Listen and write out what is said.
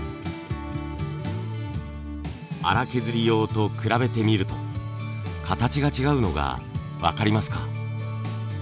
粗削り用と比べてみると形が違うのが分かりますか？